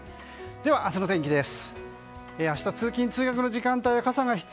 では、明日の天気です。